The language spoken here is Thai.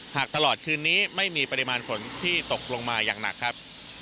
หากตลอดคืนนี้ไม่มีปริมาณฝนที่ตกลงมาอย่างหนักครับ